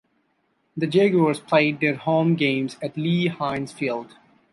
The Jaguars played their home games at Lee–Hines Field.